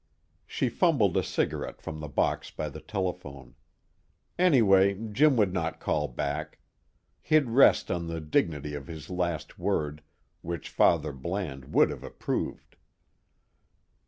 She fumbled a cigarette from the box by the telephone. Anyway Jim would not call back. He'd rest on the dignity of his last word, which Father Bland would have approved.